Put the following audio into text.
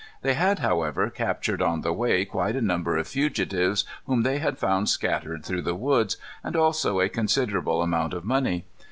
They had, however, captured on the way quite a number of fugitives whom they had found scattered through the woods, and also a considerable amount of money.